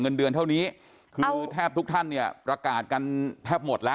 เงินเดือนเท่านี้คือแทบทุกท่านเนี่ยประกาศกันแทบหมดแล้ว